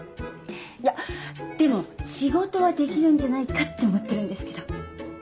いやでも仕事はできるんじゃないかって思ってるんですけど。